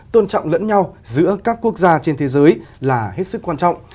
tôn trọng lẫn nhau giữa các quốc gia trên thế giới là hết sức quan trọng